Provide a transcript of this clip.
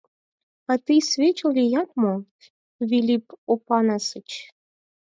— А тый свечыл лият мо, Вилип Опанасыч?